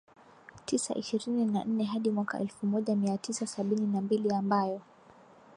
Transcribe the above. tisa ishirini na nne hadi mwaka elfu moja mia tisa sabini na mbili ambayo